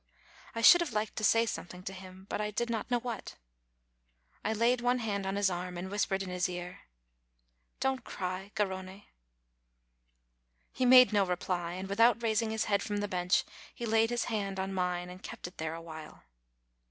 I should have liked to say something to him, but I did not know what. I laid one hand on his arm, and whispered in his ear: "Don't cry, Garrone." He made no reply, and without raising his head from the bench he laid his hand on mine and kept it there a while.